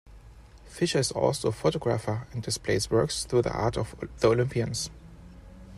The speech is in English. Fischer is also a photographer and displays works through the Art of the Olympians.